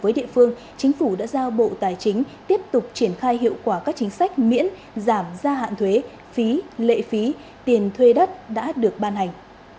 trong nghị quyết phiên họp chính phủ đã giao bộ tài chính tiếp tục triển khai hiệu quả các chính sách miễn giảm gia hạn thuế phí lệ phí tiền thuê đất đã được ban hành